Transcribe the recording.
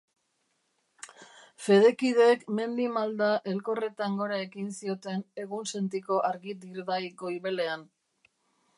Fedekideek mendi malda elkorretan gora ekin zioten egunsentiko argi-dirdai goibelean.